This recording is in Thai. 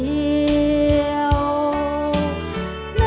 จูบลูกหลายเท่าโยม